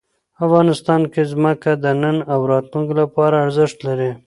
افغانستان کې ځمکه د نن او راتلونکي لپاره ارزښت لري.